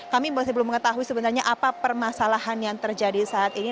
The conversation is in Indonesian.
kami masih belum mengetahui sebenarnya apa permasalahan yang terjadi saat ini